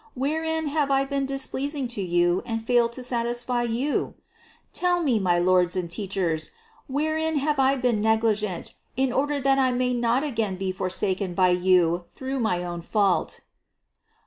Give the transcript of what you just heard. Wherein have I been displeasing to you and failed to satisfy you? Tell me, my lords and teachers, wherein I have been negligent, in order that I may not again be forsaken by you through my own fault."